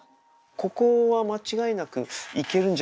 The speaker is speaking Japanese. ここは間違いなくいけるんじゃないか。